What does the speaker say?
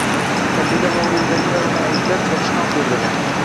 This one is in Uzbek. Qabila va urugʻidagilar uni ayblab, dashnom berdilar